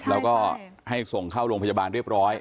แล้วก็ให้ส่งเข้าโรงพยาบาลเรียบร้อย